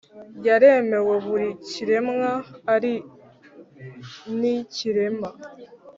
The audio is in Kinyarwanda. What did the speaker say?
Yaremewe buri kiremwa ari n'ikirema